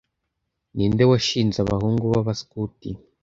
Ninde washinze abahungu b'Abaskuti